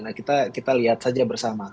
nah kita lihat saja bersama